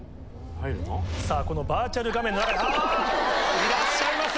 さぁこのバーチャル画面の中にあいらっしゃいませ。